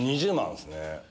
２０万ですね。